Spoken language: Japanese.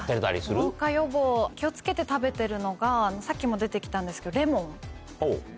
老化予防気を付けて食べてるのがさっきも出て来たんですけど。